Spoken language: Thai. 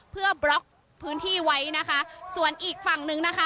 เพื่อบล็อกพื้นที่ไว้นะคะส่วนอีกฝั่งนึงนะคะ